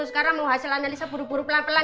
sekarang mau hasil analisa buru buru pelan pelan